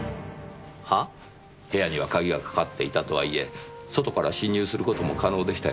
部屋には鍵がかかっていたとはいえ外から侵入する事も可能でしたよね？